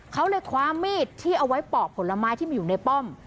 เขาเลยคว้ามีดที่เอาไว้ปอกผลไม้ที่มันอยู่ในป้อม